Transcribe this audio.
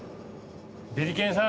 ビリケンさん。